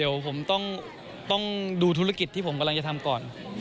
เดี๋ยวผมต้องดูธุรกิจที่ผมกำลังจะทำก่อน